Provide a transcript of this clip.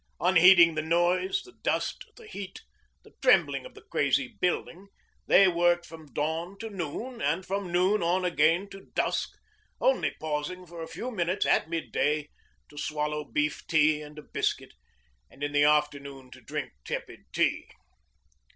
Unheeding the noise, the dust, the heat, the trembling of the crazy building, they worked from dawn to noon, and from noon on again to dusk, only pausing for a few minutes at mid day to swallow beef tea and a biscuit, and in the afternoon to drink tepid tea.